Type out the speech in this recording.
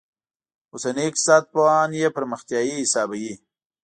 اوسني اقتصاد پوهان یې پرمختیايي حسابوي.